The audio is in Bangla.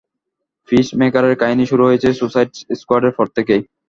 পিসমেকারের কাহিনী শুরু হয়েছে সুইসাইড স্কোয়াডের পর থেকেই।